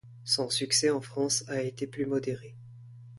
Son succès en France a été plus modéré.